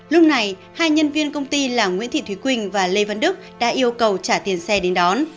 lúc này hai nhân viên công ty là nguyễn thị thúy quỳnh và lê văn đức đã yêu cầu trả tiền xe đến đón